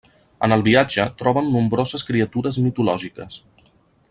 En el viatge troben nombroses criatures mitològiques.